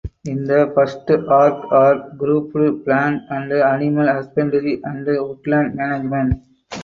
In the first arc are grouped plant and animal husbandry and woodland management.